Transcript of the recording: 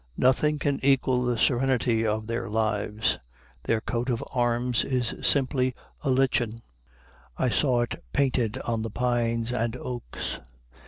Nothing can equal the serenity of their lives. Their coat of arms is simply a lichen. I saw it painted on the pines and oaks.